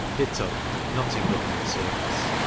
ditto, not in government service, 1L.